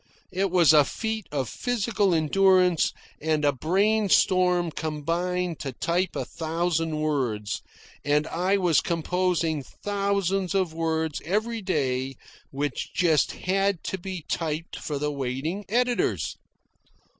It was a feat of physical endurance and a brain storm combined to type a thousand words, and I was composing thousands of words every day which just had to be typed for the waiting editors.